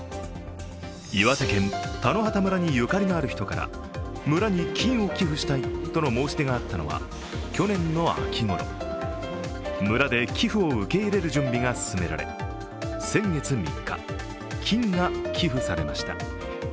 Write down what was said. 岩手県田野畑村にゆかりのある人から村に金を寄付したいとの申し出があったのは、去年の秋ごろ村で寄付を受け入れる準備が進められ、先月３日、金が寄付されました。